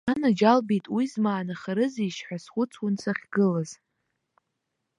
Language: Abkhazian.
Анаџьалбеит, уи змаанахарызеишь ҳәа схәыцуан сахьгылаз.